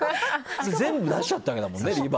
全部出しちゃったんだもんね。